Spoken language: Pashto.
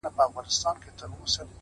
تا ولي هر څه اور ته ورکړل د یما لوري”